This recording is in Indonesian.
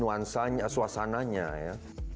nuansanya suasananya ya